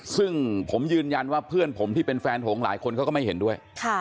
ซึ่งผมยืนยันว่าเพื่อนผมที่เป็นแฟนหงหลายคนเขาก็ไม่เห็นด้วย